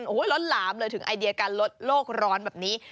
โอ้โหล้นหลามเลยถึงไอเดียการลดโลกร้อนแบบนี้